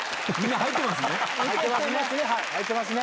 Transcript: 入ってますね。